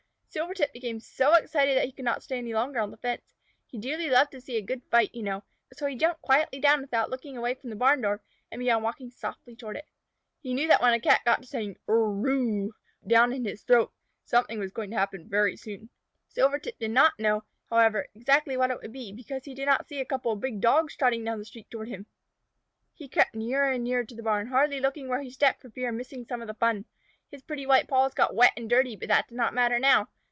Silvertip became so excited that he could not stay longer on the fence. He dearly loved to see a good fight, you know, so he jumped quietly down without looking away from the barn door, and began walking softly toward it. He knew that when a Cat got to saying "Er row!" down in his throat, something was going to happen very soon. Silvertip did not know, however, exactly what it would be because he did not see a couple of big Dogs trotting down the street toward him. He crept nearer and nearer to the barn, hardly looking where he stepped for fear of missing some of the fun. His pretty white paws got wet and dirty, but that did not matter now.